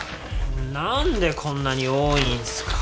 何でこんなに多いんすか。